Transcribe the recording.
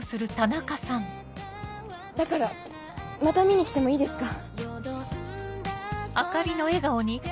だからまた見に来てもいいですか？